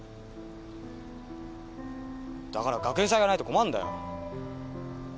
だから学園祭がないと困んだよ。